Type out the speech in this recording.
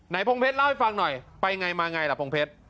พงเพชรเล่าให้ฟังหน่อยไปไงมาไงล่ะพงเพชร